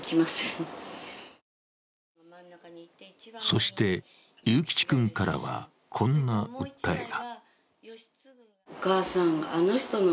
そして、有吉君からはこんな訴えが。